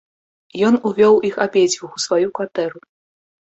Ён увёў іх абедзвюх у сваю кватэру.